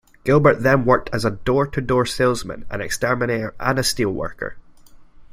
Gilbert then worked as a door-to-door salesman, an exterminator, and a steelworker.